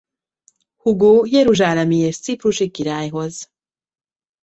Hugó jeruzsálemi és ciprusi királyhoz.